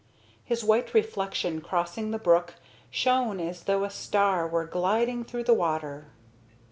His white reflection crossing the brook shone as though a star were gliding through the water.